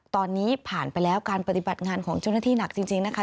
ตอนนี้ผ่านไปแล้วการปฏิบัติงานของเจ้าหน้าที่หนักจริงนะคะ